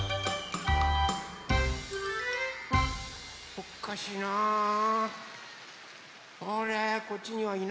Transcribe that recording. おっかしいな。